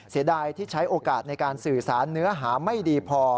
เสียดายที่ใช้โอกาสในการสื่อสารเนื้อหาไม่ดีพอ